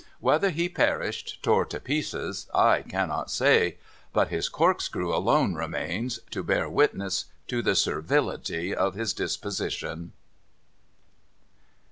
Whether he perished, tore to pieces, I cannot say ; but his corkscrew alone remains, to bear witness to the servility of his disposition.